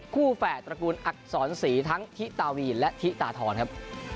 แฝดตระกูลอักษรศรีทั้งทิตาวีและทิตาทรครับ